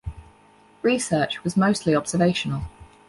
Research was mostly observational.